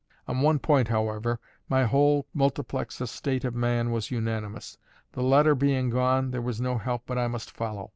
On one point, however, my whole multiplex estate of man was unanimous: the letter being gone, there was no help but I must follow.